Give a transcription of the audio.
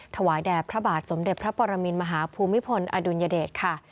ถวายแด่พระบาทสมเด็จพระปรมินมหาภูมิพลอดุลยเดชค่ะ